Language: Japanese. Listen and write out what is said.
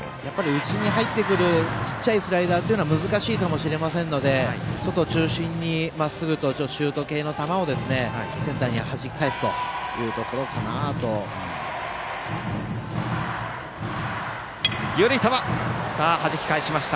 内に入ってくる小さいスライダーは難しいかもしれませんので外中心に、まっすぐとシュート系の球をセンターにはじき返す緩い球をはじき返しました。